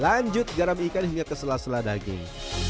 lanjut garam ikan hingga kesela sela daging